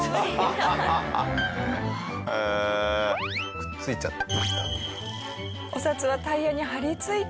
くっついちゃった。